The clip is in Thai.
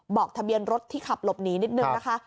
ทะเบียนรถที่ขับหลบหนีนิดนึงนะคะ